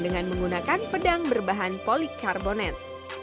dengan menggunakan pedang berbahan polikarbonet